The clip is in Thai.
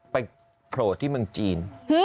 โผล่ที่เมืองจีน